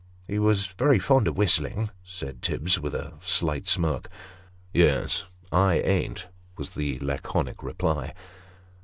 " He's very fond of whistling," said Tibbs, with a slight smirk. " Yes I ain't," was the laconic reply.